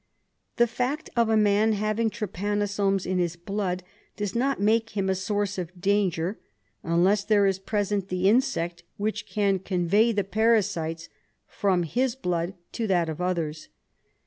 The fact of a man having trypanosomes in his blood does not make him a source of danger unless there is present the insect which can convey the parasites from his blood to that of others.